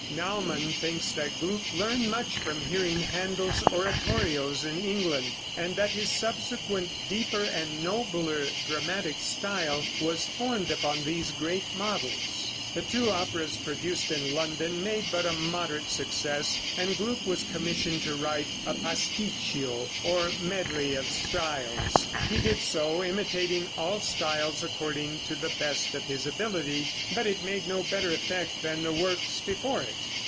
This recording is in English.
Naumann thinks that Gluck learned much from hearing Händel's oratorios in England, and that his subsequent deeper and nobler dramatic style was formed upon these great models. The two operas produced in London made but a moderate success, and Gluck was commissioned to write a "pasticcio" or medley of styles. He did so, imitating all styles according to the best of his ability, but it made no better effect than the works before it.